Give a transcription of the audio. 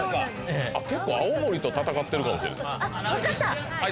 結構青森と戦ってるかもしれないわかった！